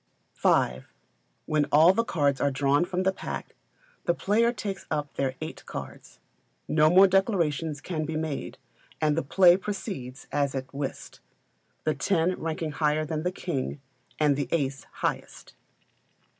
v. When all the cards are drawn from the pack, the players take up their eight cards. No more declarations can he made, and the play proceeds as at Whist, the ten ranking higher than the king, and the ace highest.